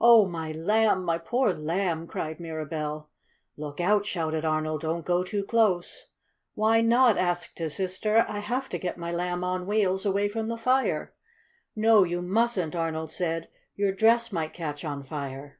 "Oh, my Lamb! My poor Lamb!" cried Mirabell. "Look out!" shouted Arnold. "Don't go too close!" "Why not?" asked his sister. "I have to get my Lamb on Wheels away from the fire!" "No, you mustn't!" Arnold said. "Your dress might catch on fire!"